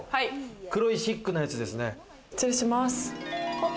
黒いシックなやつですね。